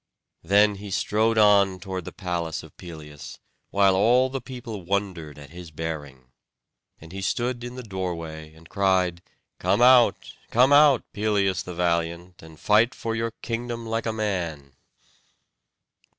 Then he strode on toward the palace of Pelias, while all the people wondered at his bearing. And he stood in the doorway and cried, "Come out, come out, Pelias the valiant, and fight for your kingdom like a man."